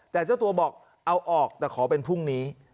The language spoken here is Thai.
แต่เจ้าตัวบอกเอาออกแต่ขอเป็นพรุ่งนี้